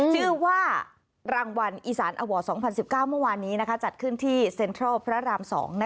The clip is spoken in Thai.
ชื่อว่ารางวัลอีสานอวอร์๒๐๑๙เมื่อวานนี้จัดขึ้นที่เซ็นทรัลพระราม๒